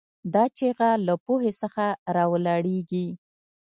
دا چیغه له پوهې څخه راولاړېږي.